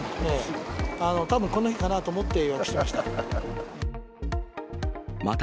たぶんこの日かなと思って予約しました。